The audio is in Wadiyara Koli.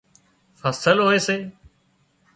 فصل هوئي سي